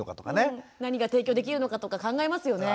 何が提供できるのかとか考えますよね。